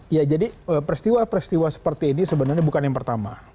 ya jadi peristiwa peristiwa seperti ini sebenarnya bukan yang pertama